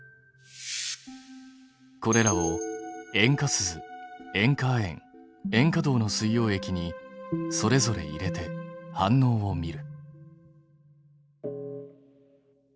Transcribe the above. これらを塩化スズ塩化亜鉛塩化銅の水溶液にそれぞれ入れて反応を見る。